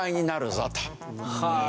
はあ！